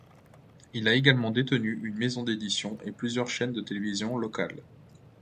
Il a également détenu une maison d'édition et plusieurs chaînes de télévision locales.